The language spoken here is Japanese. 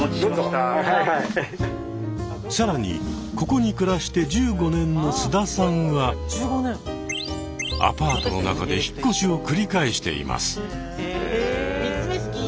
さらにここに暮らして１５年の須田さんはアパートの中で引っ越しを繰り返しています。